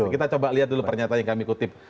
kita coba lihat dulu pernyataan yang kami kutip